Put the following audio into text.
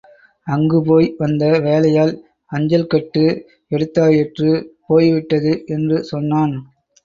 அங்கு போய் வந்த வேலையாள், அஞ்சல் கட்டு எடுத்தாயிற்று போய்விட்டது என்று சொன்னான்.